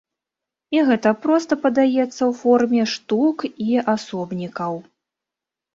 І гэта проста падаецца ў форме штук і асобнікаў.